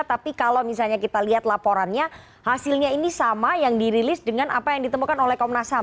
tapi kalau misalnya kita lihat laporannya hasilnya ini sama yang dirilis dengan apa yang ditemukan oleh komnas ham